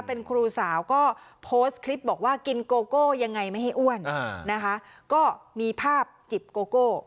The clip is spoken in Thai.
เป็นครูสาวก็โพสต์คลิปบอกว่ากินโกโก้ยังไงไม่ให้อ้วนนะคะก็มีภาพจิบโกโก้